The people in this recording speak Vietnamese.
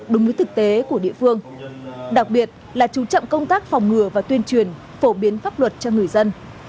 đúng với thực tế của địa phương đặc biệt là chú trọng công tác phòng ngừa và tuyên truyền phổ biến pháp luật cho người dân